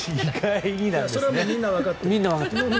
それはみんなわかってる。